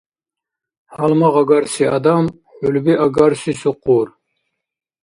Гьалмагъ агарси адам — хӀулби агарси сукъур.